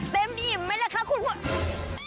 เต็มอิ่มไหมค่ะหุ่นผู้ชม